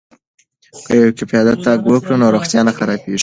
که پیاده تګ وکړو نو روغتیا نه خرابیږي.